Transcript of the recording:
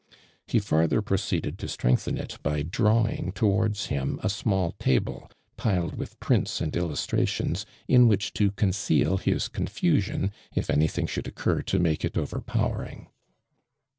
He farthei' ]>roceeded to sti'engthen it by drawing towards him a small table piled with prims and illustrations in which to conceal his con fusion, if anything should occur to make it overpowering.